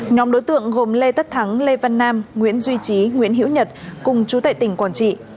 nhóm đối tượng gồm lê tất thắng lê văn nam nguyễn duy trí nguyễn hiễu nhật cùng chú tại tỉnh quảng trị